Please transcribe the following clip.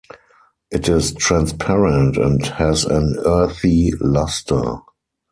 It is transparent and has an earthy luster.